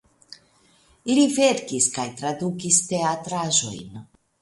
Li verkis kaj tradukis teatraĵojn.